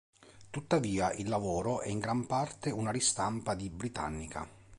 Tuttavia, il lavoro è in gran parte una ristampa di Britannica.